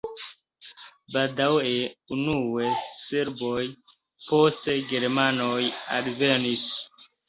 Baldaŭe unue serboj, poste germanoj alvenis.